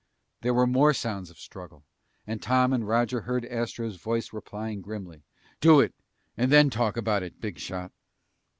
There were more sounds of struggle, and Tom and Roger heard Astro's voice replying grimly: "Do it and then talk about it, big shot!"